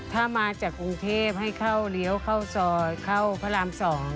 ถ้ามาจากกรุงเทพให้เข้าเลี้ยวเข้าซอยเข้าพระราม๒